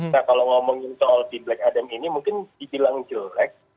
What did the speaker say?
nah kalau ngomongin soal di black adem ini mungkin dibilang jelek